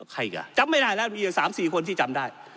ใครอีกอ่ะจำไม่ได้แล้วมีอยู่๓๔คนที่จำได้